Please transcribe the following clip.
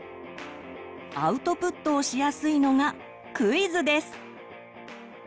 アウトプットをしやすいのがクイズです。